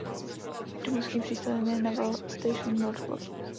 Domovským přístavem je Naval Station Norfolk.